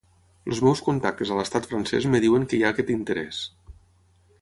Els meus contactes a l’estat francès em diuen que hi ha aquest interès.